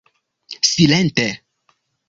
Silente!